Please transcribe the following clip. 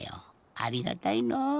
ありがたいのう。